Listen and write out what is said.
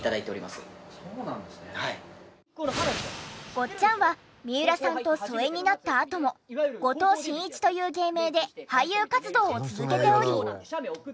ごっちゃんは三浦さんと疎遠になったあとも後藤真一という芸名で俳優活動を続けており。